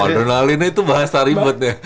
adrenalin itu bahasa ribet ya